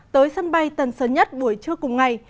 tới sân bay tần sớn nhất buổi trưa cùng ngày